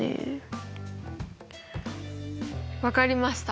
分かりました。